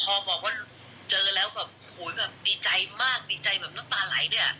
พอบอกว่าเจอแล้วโหยดีใจมากดีใจแบบน้ำตาไหลเลย